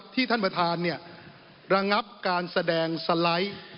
ที่ท่านประธานเนี่ยระงับการแสดงสไลด์